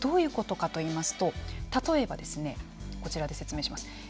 これどういうことかといいますと例えば、こちらで説明します。